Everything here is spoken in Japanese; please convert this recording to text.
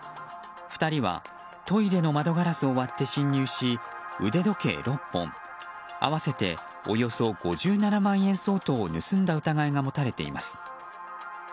２人はトイレの窓ガラスを割って侵入し腕時計６本、合わせておよそ５７万円相当を盗んだ疑いが持たれています。